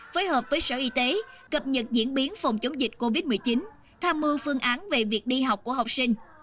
phối hợp với sở y tế cập nhật diễn biến phòng chống dịch covid một mươi chín tham mưu phương án về việc đi học của học sinh